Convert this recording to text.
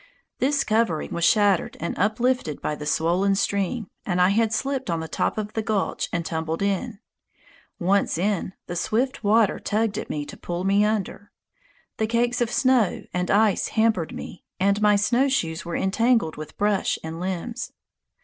This covering was shattered and uplifted by the swollen stream, and I had slipped on the top of the gulch and tumbled in. Once in, the swift water tugged at me to pull me under; the cakes of snow and ice hampered me, and my snowshoes were entangled with brush and limbs.